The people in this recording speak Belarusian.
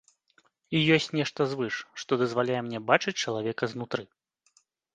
І ёсць нешта звыш, што дазваляе мне бачыць чалавека знутры.